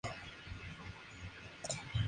La presencia del marido se mantiene.